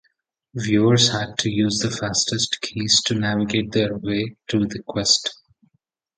Viewers had to use the fastext keys to navigate their way through the quest.